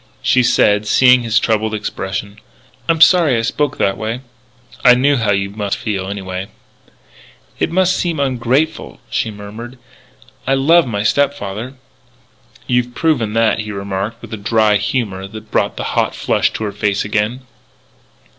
She said, seeing his troubled expression: "I'm sorry I spoke that way." "I knew how you must feel, anyway." "It seems ungrateful," she murmured. "I love my step father." "You've proven that," he remarked with a dry humour that brought the hot flush to her face again.